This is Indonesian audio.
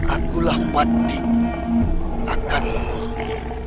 akulah patut akan mengurung